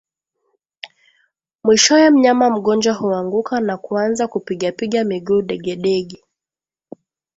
Mwishowe mnyama mgonjwa huanguka na kuanza kupigapiga miguu degedege